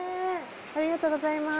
ありがとうございます。